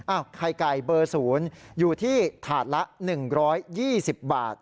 ไข่ไก่เบอร์๐อยู่ที่ถาดละ๑๒๐บาท